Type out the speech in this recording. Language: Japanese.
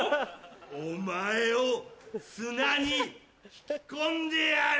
お前を砂に引き込んでやる！